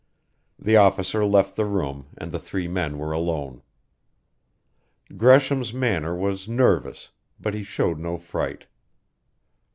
The officer left the room and the three men were alone. Gresham's manner was nervous, but he showed no fright.